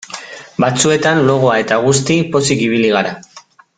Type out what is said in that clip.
Batzuetan logoa eta guzti pozik ibili gara.